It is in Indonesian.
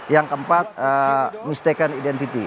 yang keempat mistacan identity